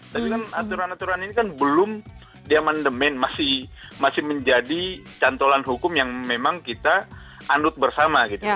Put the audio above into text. tapi kan aturan aturan ini kan belum di amandemen masih menjadi cantolan hukum yang memang kita anut bersama gitu